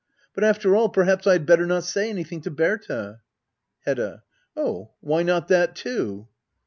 But after all — perhaps I had better not say anything to Berta. Hedda. Oh ^why not that too